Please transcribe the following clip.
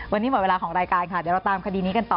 วันนี้หมดเวลาของรายการค่ะเดี๋ยวเราตามคดีนี้กันต่อ